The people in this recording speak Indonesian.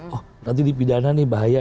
oh nanti di pidana nih bahaya